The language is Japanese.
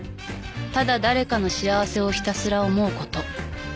［ただ誰かの幸せをひたすら思うこと］